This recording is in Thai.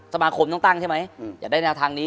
สมาคมต้องตั้งใช่ไหมอยากได้แนวทางนี้